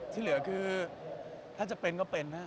ที่เหลือคือถ้าจะเป็นก็เป็นนะ